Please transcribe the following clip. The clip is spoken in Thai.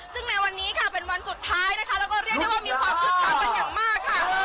ซึ่งในวันนี้ค่ะเป็นวันสุดท้ายนะคะแล้วก็เรียกได้ว่ามีความคึกคักเป็นอย่างมากค่ะ